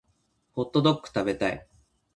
ホットドック食べたい